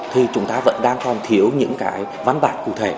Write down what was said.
thì chúng ta vẫn đang còn thiếu những cái văn bản cụ thể